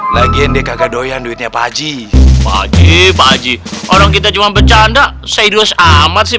lagian deh kagak doyan duitnya pak haji pak haji pak haji orang kita cuma bercanda serius amat sih